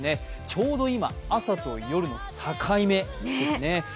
ちょうど今、朝と夜、境目ですね。